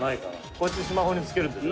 「こうやってスマホにつけるんでしょ」